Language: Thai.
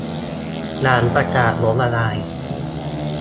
หลังประกาศล้มละลาย